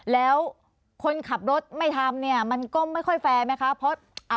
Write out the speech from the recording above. แล้วคนขับรถไม่ทำเนี่ยมันก็ไม่ค่อยแฟร์ไหมคะ